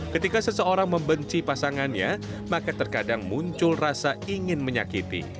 ketika seseorang membenci pasangannya maka terkadang muncul rasa ingin menyakiti